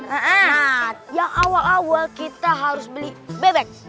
ee yang awal awal kita harus beli bebek